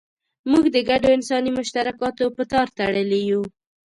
موږ د ګډو انساني مشترکاتو په تار تړلي یو.